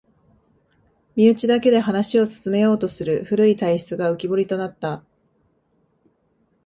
身内だけで話を進めようとする古い体質が浮きぼりとなった